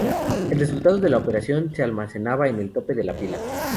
El resultado de la operación se almacenaba en el tope de la pila.